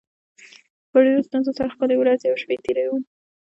په ډېرو ستونزو سره خپلې ورځې او شپې تېروو